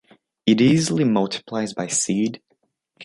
It easily multiplies by seed.